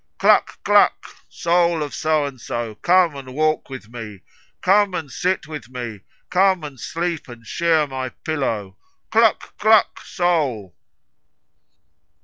Cluck! cluck! soul of So and so, come and walk with me, Come and sit with me, Come and sleep and share my pillow. Cluck! cluck! soul."